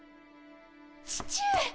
父上！